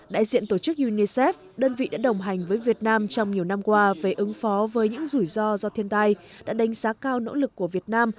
đại diện tổ chức unicef đơn vị đã đồng hành với việt nam trong nhiều năm qua về ứng phó với những rủi ro do thiên tai đã đánh giá cao nỗ lực của việt nam